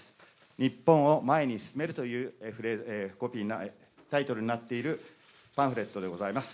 日本を前に進めるというタイトルになっているパンフレットでございます。